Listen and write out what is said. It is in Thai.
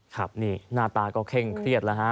ครับนี่หน้าตาก็เคร่งเครียดแล้วฮะ